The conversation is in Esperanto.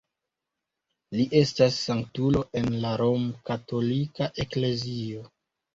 Li estas sanktulo en la romkatolika eklezio.